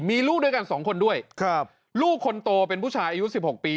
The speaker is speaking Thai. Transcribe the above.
มีลูกด้วยกัน๒คนด้วยลูกคนโตเป็นผู้ชายอายุ๑๖ปี